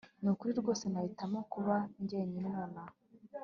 Nukuri rwose nahitamo kuba jyenyine nonaha